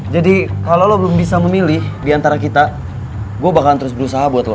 jadi kalau lo belum bisa memilih diantara kita gue bakal terus berusaha buat lo